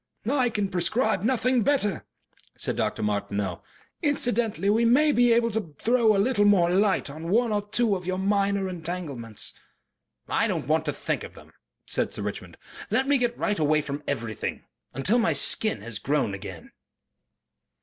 "I can prescribe nothing better," said Dr. Martineau. "Incidentally, we may be able to throw a little more light on one or two of your minor entanglements." "I don't want to think of them," said Sir Richmond. "Let me get right away from everything. Until my skin has grown again."